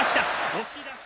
押し出し。